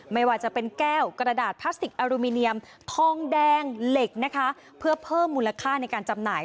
ไม่ว่าจะเป็นแก้วกระดาษพลาสติกอลูมิเนียมทองแดงเหล็กนะคะเพื่อเพิ่มมูลค่าในการจำหน่าย